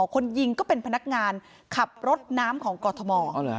คนยิงก็เป็นพนักงานขับรถน้ำของกรทม